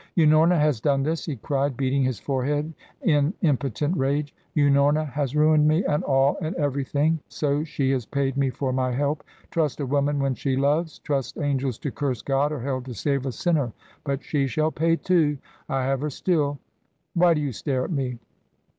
"Unorna has done this!" he cried, beating his forehead in impotent rage. "Unorna has ruined me, and all, and everything so she has paid me for my help! Trust a woman when she loves? Trust angels to curse God, or Hell to save a sinner! But she shall pay, too I have her still. Why do you stare at me?